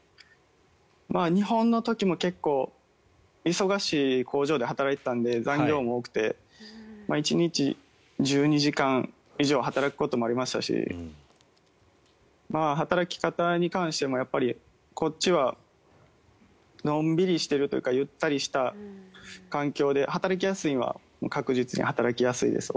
日本の時も結構忙しい工場で働いていたので残業も多くて１日１２時間以上働くこともありましたし働き方に関しても、こっちはのんびりしているというかゆったりした環境で働きやすいのは確実に働きやすいです